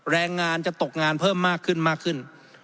แรงงานจะตกงานเพิ่มมากขึ้นมากขึ้น